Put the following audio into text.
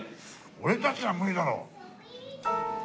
俺たちは無理だろ。